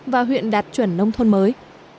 và huyện đạt chuẩn nông thôn mới